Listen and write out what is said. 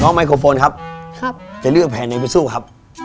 ไมโครโฟนครับจะเลือกแผ่นไหนไปสู้ครับ